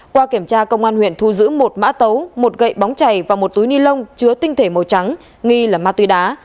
qua kiểm tra công an huyện thu giữ một mã tấu một gậy bóng chảy và một túi ni lông chứa tinh thể màu trắng nghi là ma túy đá